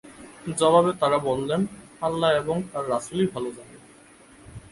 জবাবে তারা বললেন, আল্লাহ এবং তাঁর রাসূল-ই ভালো জানেন।